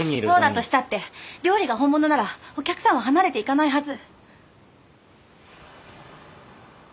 そうだとしたって料理が本物ならお客さんは離れていかないはず。